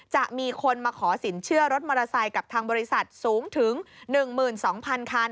จะมีคนมาขอสินเชื่อรถมอเตอร์ไซค์กับทางบริษัทสูงถึง๑๒๐๐๐คัน